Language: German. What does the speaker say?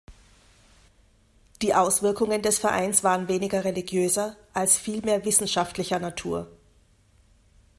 Die Auswirkungen des Vereins waren weniger religiöser als vielmehr wissenschaftlicher Natur.